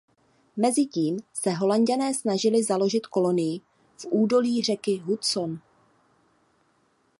Mezitím se Holanďané snažili založit kolonii v údolí řeky Hudson.